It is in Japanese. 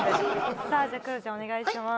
さあじゃあクロちゃんお願いします。